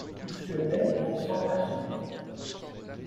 Puisque mai consent à sourire.